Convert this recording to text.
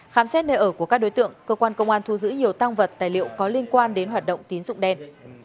khám xét nơi ở của các đối tượng cơ quan công an thu giữ nhiều tăng vật tài liệu có liên quan đến hoạt động tín dụng đen